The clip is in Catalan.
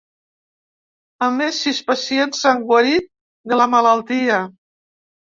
A més, sis pacients s’han guarit de la malaltia.